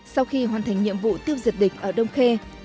sau khi hoàn thành nhiệm vụ tiêu diệt địch ở đông khê